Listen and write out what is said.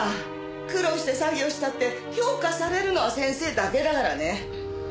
苦労して作業したって評価されるのは先生だけだからね。